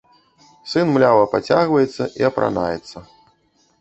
Сын млява пацягваецца і апранаецца.